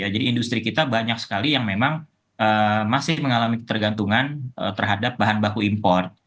jadi industri kita banyak sekali yang memang masih mengalami ketergantungan terhadap bahan baku import